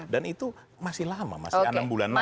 dan itu masih lama masih enam bulan lagi